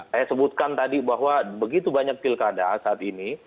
saya sebutkan tadi bahwa begitu banyak pilkada saat ini